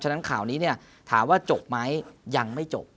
ฉะนั้นข่าวนี้เนี่ยถามว่าจบไหมยังไม่จบ